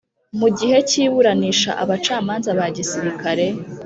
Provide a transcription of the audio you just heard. Mu gihe cy iburanisha abacamanza ba gisirikare